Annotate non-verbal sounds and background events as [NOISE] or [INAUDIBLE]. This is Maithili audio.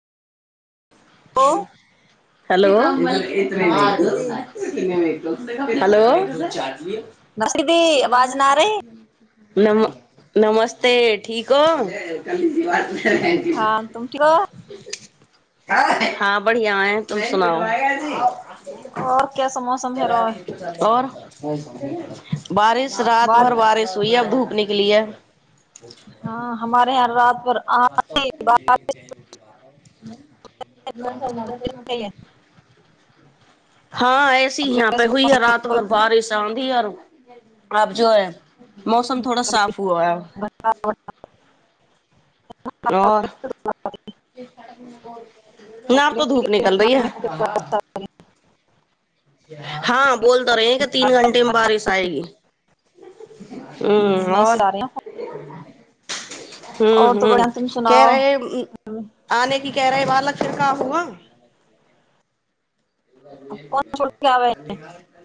ओ [UNINTELLIGIBLE] हेलो। नमस्ते दीदी [UNINTELLIGIBLE] हेलो। नमस्ते दी, आवाज ना आ री। नम नमस्ते, ठीकी हो। हँ, तुम ठीक हो। हँ, बढ़िआ हैं तुम सुनाओ। और कैसा मौसम है रो और [UNINTELLIGIBLE] बारिश, रात भर बाद बारिश हुई है अब धूप निकली है। हँ, हमारे यहां रात भर आंधी बारिश होती है। [UNINTELLIGIBLE] हँ, ऐसी ही फिर यहाँ पे ऐसे हई है रात मौसम भर में बारिश, आधी आऔर अब जो है मौसम थोड़ा कभी साफ हुआ। कभी घटा आओर बढ़ता आओर ना तो धूप निकल रहि है। है। हँ, बोल तो रहे हैं कि तीन घंटे मे बारिश आएगी। ह्म्म आओर, मैसेज आ रहे हैं हु, और तो हु, बढ़िया तुम केह सुनाओ रहे है आने की कह रहेै बक फिर का हुआ। कौन छोड़ के आवे [UNINTELLIGIBLE]